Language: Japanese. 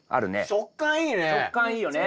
食感いいよね。